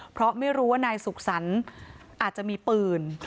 เพราะไม่รู้ว่านายสุขสรรค์อาจจะมีปืน